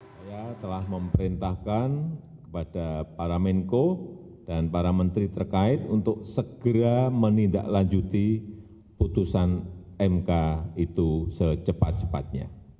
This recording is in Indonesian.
saya telah memerintahkan kepada para menko dan para menteri terkait untuk segera menindaklanjuti putusan mk itu secepat cepatnya